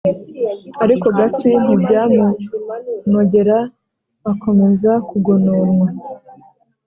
Ariko Gatsi ntibyamunogera, akomeza kugononwa